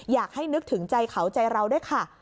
อยากให้นึกถึงใจเขาใจเราด้วยค่ะ